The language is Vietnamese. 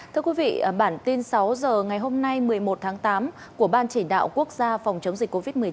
thưa quý vị bản tin sáu h ngày hôm nay một mươi một tháng tám của ban chỉ đạo quốc gia phòng chống dịch covid một mươi chín